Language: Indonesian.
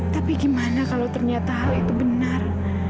tapi gimana kalau ternyata hal itu benar